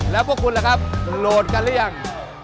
แล้วพวกคุณล่ะครับโหลดกันหรือยัง